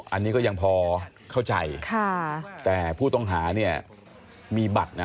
อันนี้ก็ยังพอเข้าใจแต่ผู้ต้องหามีบัตร